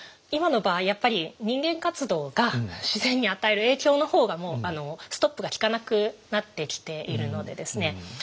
今の場合やっぱり人間活動が自然に与える影響の方がもうストップがきかなくなってきているのでですね